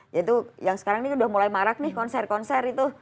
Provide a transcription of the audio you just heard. yaitu yang sekarang ini udah mulai marak nih konser konser itu